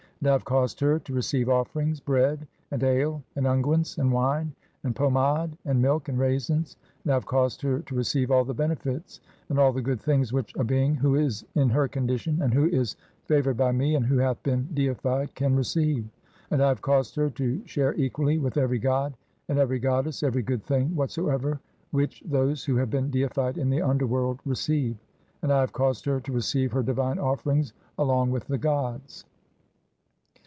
"And I have caused her to receive offerings, bread, "and ale, and unguents, and wine, and pomade, and "milk, and raisins (?); and I have caused her to re "ceive all the benefits and all the good things which "a being who is in her condition and who is favour ed by me and who hath been deified can receive ; "and I have caused her to share equally with every "god and every goddess every good thing whatsoever "which those who have been deified in the underworld "receive ; and I have caused her to receive her divine "offerings along with the gods."